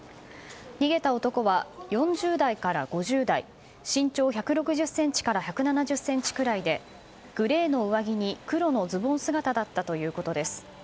逃げた男は４０代から５０代身長１６０ｃｍから１７０ｃｍくらいでグレーの上着に黒のズボン姿だったということです。